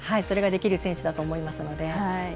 それができる選手だと思いますので。